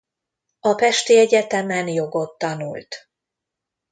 A pesti egyetemen jogot tanult.